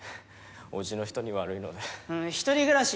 おうちの人に悪いので一人暮らし